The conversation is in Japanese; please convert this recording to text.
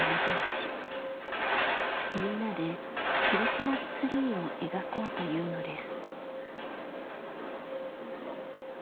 みんなでクリスマスツリーを描こうというのです。